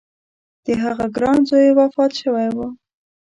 د هغه ګران زوی وفات شوی و.